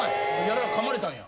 咬まれたんや。